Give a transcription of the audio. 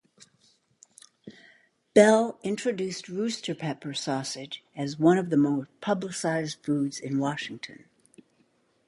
Bell introduced rooster pepper sausage as one of the more publicized foods in Washington.